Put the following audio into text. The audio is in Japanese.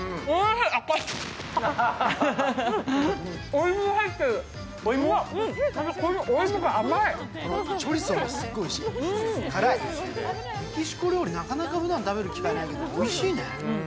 メキシコ料理、なかなかふだん食べる機会ないけど、おいしいね。